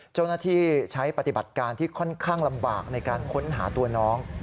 เจ้าหน้าที่ใช้ปฏิบัติการที่ค่อนข้างลำบากในการค้นหาตัวน้อง